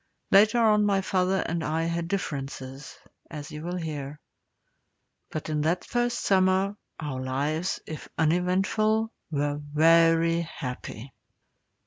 Later on my father and I had differences, as you will hear. But in that first summer our lives, if uneventful, were very happy.